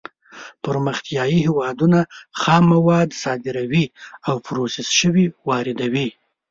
پرمختیايي هېوادونه خام مواد صادروي او پروسس شوي واردوي.